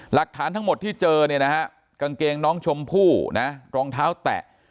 หลักฐานทั้งหมดที่เจอเนี่ยนะฮะกางเกงน้องชมพู่นะรองเท้าแตะ